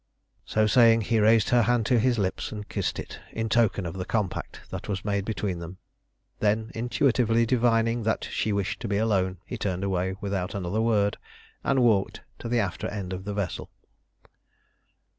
So saying, he raised her hand to his lips and kissed it, in token of the compact that was made between them. Then, intuitively divining that she wished to be alone, he turned away without another word, and walked to the after end of the vessel.